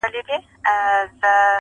یا دي کډه له خپل کوره بارومه,